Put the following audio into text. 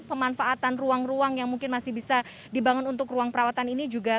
pemanfaatan ruang ruang yang mungkin masih bisa dibangun untuk ruang perawatan ini juga